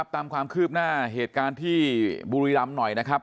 ตามความคืบหน้าเหตุการณ์ที่บุรีรำหน่อยนะครับ